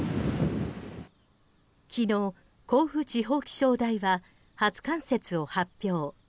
昨日、甲府地方気象台は初冠雪を発表。